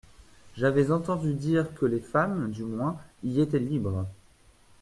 J'avais entendu dire que les femmes, du moins, y étaient libres.